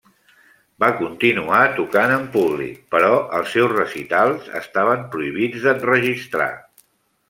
Va continuar tocant en públic, però els seus recitals estaven prohibits d'enregistrar.